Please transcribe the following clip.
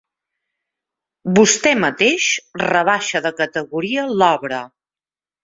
Vostè mateix rebaixa de categoria l'obra.